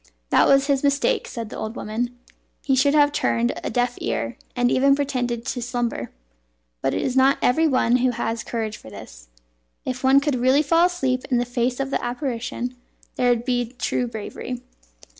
"That was his mistake," said the old woman. "He should have turned a deaf ear, and even pretended to slumber; but it is not every one who has courage for this. If one could really fall asleep in the face of the apparition, there would be true bravery."